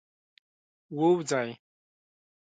ووځی.